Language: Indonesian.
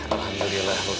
alhamdulillah lo udah sembunyi